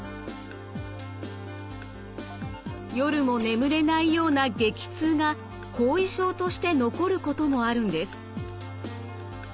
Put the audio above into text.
夜も眠れないような激痛が後遺症として残ることもあるんです。